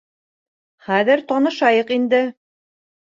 Хәҙер танышайыҡ инде.